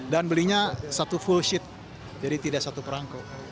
dan belinya satu full sheet jadi tidak satu perangko